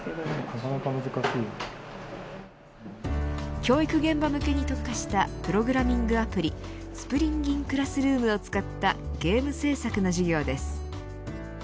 教育現場向けに特化したプログラミングアプリスプリンギンクラスルームを使ったゲーム制作の授業です。